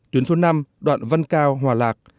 tuyến số năm đoạn văn cao hòa lạc